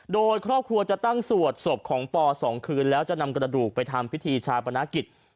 โดยครอบครัวจะตั้งสวดศพของปอ๒คืนแล้วจะนำกระดูกไปทำพิธีชาปนกิจ